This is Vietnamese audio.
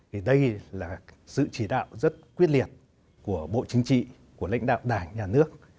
thì đây là sự chỉ đạo rất quyết liệt của bộ chính trị của lãnh đạo đảng nhà nước